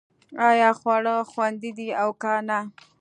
ایا خواړه خوندي دي او که نه